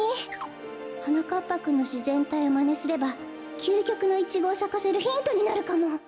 こころのこえはなかっぱくんのしぜんたいをまねすればきゅうきょくのイチゴをさかせるヒントになるかも！